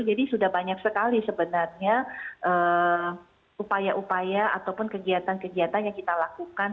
jadi sudah banyak sekali sebenarnya upaya upaya ataupun kegiatan kegiatan yang kita lakukan